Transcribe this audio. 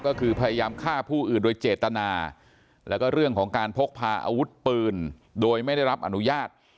ก็คือพยายามฆ่าผู้อื่นโดยเจตนาแล้วก็เรื่องของการพกพาอาวุธปืนโดยไม่ได้รับอนุญาต